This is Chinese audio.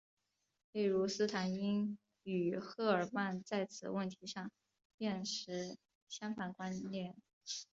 例如斯坦因与赫尔曼在此问题上便持相反观点。